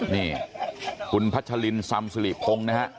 นี่คุณพัชลินสำสลิพงศ์นะครับ